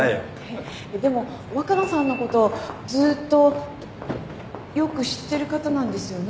えっでも若菜さんのことをずっとよく知ってる方なんですよね？